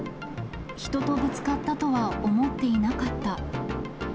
人とぶつかったとは思っていなかった。